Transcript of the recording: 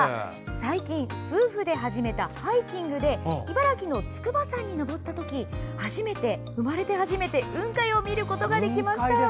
最近、夫婦で始めたハイキングで茨城の筑波山に登った時生まれて初めて雲海を見ることができました。